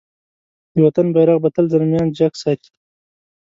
د وطن بېرغ به تل زلميان جګ ساتی.